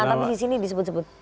tapi di sini disebut sebut